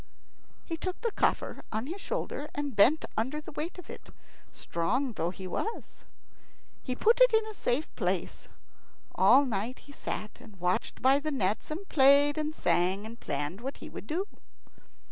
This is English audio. He took the coffer on his shoulder, and bent under the weight of it, strong though he was. He put it in a safe place. All night he sat and watched by the nets, and played and sang, and planned what he would do.